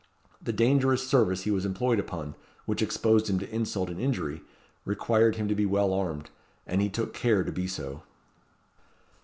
The dangerous service he was employed upon, which exposed him to insult and injury, required him to be well armed; and he took care to be so.